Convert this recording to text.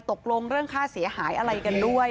ตกลงเรื่องค่าเสียหายอะไรกันด้วย